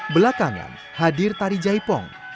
belakangan hadir tari jaipong